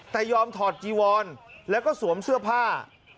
แต่ยอมถอดจีวอนแล้วก็สวมเสื้อผ้า